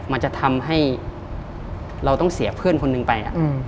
มันจะทำให้เราต้องเสียเพื่อนคนหนึ่งไป